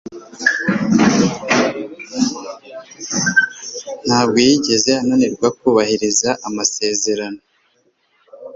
Ntabwo yigeze ananirwa kubahiriza amasezerano.